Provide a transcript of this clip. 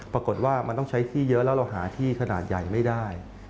ปรากฏว่ามันต้องใช้ที่เยอะแล้วเราหาที่ขนาดใหญ่ไม่ได้